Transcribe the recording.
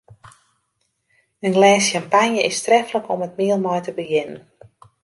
In glês sjampanje is treflik om it miel mei te begjinnen.